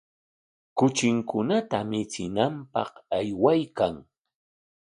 Kuchinkunata michinanpaq aywaykan.